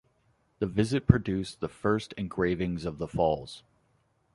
The visit produced the first engravings of the falls.